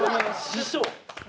師匠。